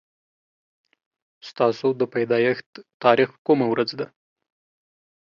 ستاسو د پيدايښت تاريخ کومه ورځ ده